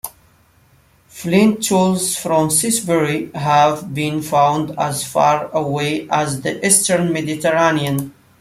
Flint tools from Cissbury have been found as far away as the eastern Mediterranean.